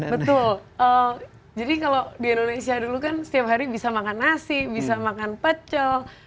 betul jadi kalau di indonesia dulu kan setiap hari bisa makan nasi bisa makan pecel